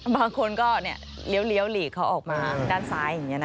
บางคนก็เลี้ยวหลีกเขาออกมาด้านซ้ายอย่างนี้นะคะ